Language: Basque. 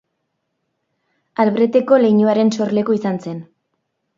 Albreteko leinuaren sorleku izan zen.